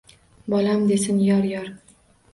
Bolam desin, yor-yor…